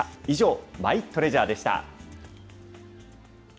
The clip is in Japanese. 以上、マイトレジャーでした。